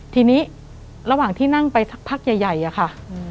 ทีนี้ระหว่างที่นั่งไปสักพักใหญ่อะค่ะ